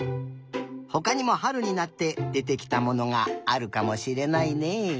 ほかにもはるになってでてきたものがあるかもしれないね。